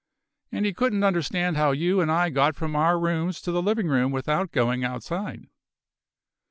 And he couldn't understand how you and I got from our rooms to the living room without going outside."